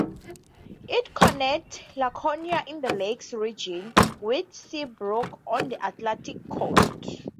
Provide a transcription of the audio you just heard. It connects Laconia in the Lakes Region with Seabrook on the Atlantic coast.